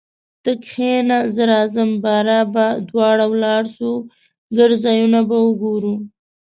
ته کښینه زه راځم باره به دواړه ولاړسو ګرده ځایونه به وګورو